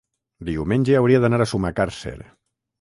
Diumenge hauria d'anar a Sumacàrcer.